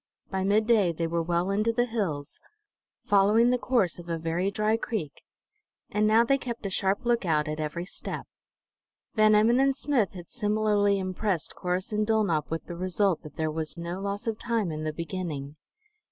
By midday they were well into the hills, following the course of a very dry creek; and now they kept a sharp lookout at every step. Van Emmon and Smith had similarly impressed Corrus and Dulnop with the result that there was no loss of time in the beginning.